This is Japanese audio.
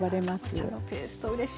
かぼちゃのペーストうれしい。